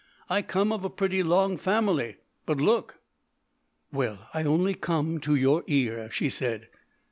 I come of a pretty long family but, look!" "Well, I only come to your ear," she said.